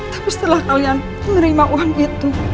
tapi setelah kalian menerima uang itu